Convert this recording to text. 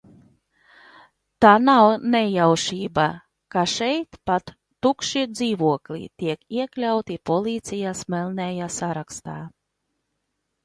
Tā nav nejaušība, ka šeit pat tukši dzīvokļi tiek iekļauti policijas melnajā sarakstā.